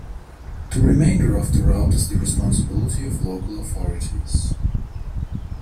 The remainder of the route is the responsibility of local authorities.